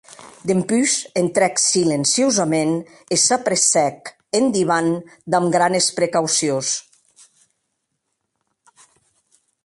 Dempús entrèc silenciosaments e s’apressèc en divan damb granes precaucions.